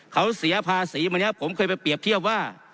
เขาเสียภาษีมาเนี่ยผมเคยไปเปรียบเทียบว่า